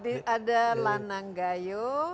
jadi ada lanang gaiyo